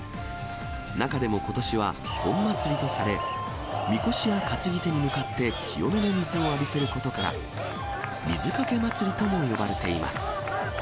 中でもことしは本祭りとされ、みこしや担ぎ手に向かって清めの水を浴びせることから、水かけ祭りとも呼ばれています。